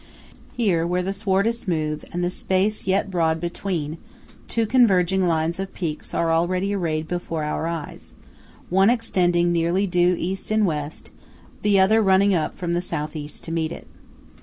Here, where the sward is smooth and the space yet broad between, two converging lines of peaks are already arrayed before our eyes–one extending nearly due East and West; the other running up from the South East to meet it.